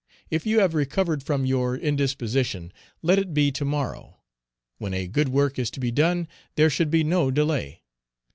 If you have recovered from your indisposition, let it be to morrow; when a good work is to be done, there should be no delay.